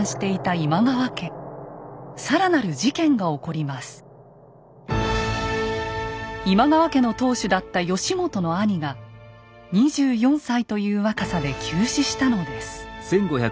今川家の当主だった義元の兄が２４歳という若さで急死したのです。